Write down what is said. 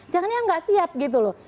jangan jangan nggak siap gitu loh